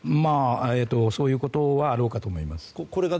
そういうことはあろうかと思います。